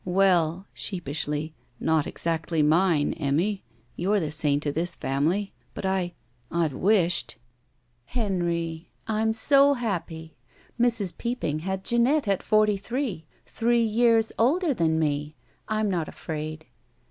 "Well," sheepishly, "not exactly mine, Emmy; you're the saint of this family. But I — I 've wished. '' "Henry. I'm so happy — Mrs. Peopping had Jeanette at forty three. Three years older than me. I'm not afraid."